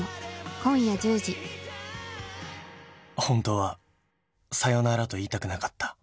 本当はさよならと言いたくなかった。